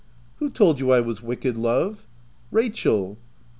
(< Who told you I was wicked, love V* "Rachel."